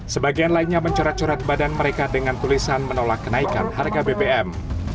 sebagian lainnya mencoret coret badan mereka dengan tulisan menolak kenaikan harga bbm